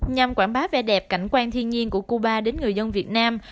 nhằm quảng bá vẻ đẹp cảnh quan thiên nhiên của cuba đến người dân việt nam